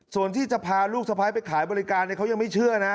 ส่วนที่จะพาลูกสะพ้ายไปขายบริการเขายังไม่เชื่อนะ